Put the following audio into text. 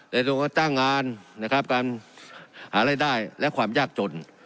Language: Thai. ในตรงการตั้งงานการหารายได้และความยากจน